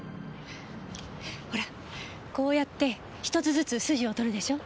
ほらこうやって１つずつ筋をとるでしょ？